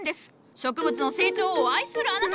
植物の成長を愛するあなた！